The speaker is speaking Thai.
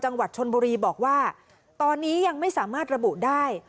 จังหวัดชนบุรีบอกว่าตอนนี้ยังไม่สามารถระบุได้